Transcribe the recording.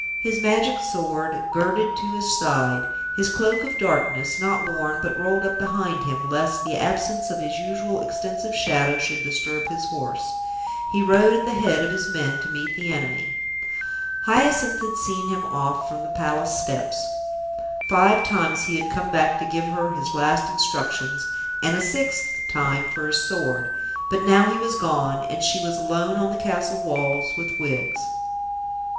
His magic sword girded to his side, his cloak of darkness, not worn but rolled up behind him, lest the absence of his usual extensive shadow should disturb his horse, he rode at the head of his men to meet the enemy. Hyacinth had seen him off from the Palace steps. Five times he had come back to give her his last instructions, and a sixth time for his sword, but now he was gone, and she was alone on the castle walls with Wiggs.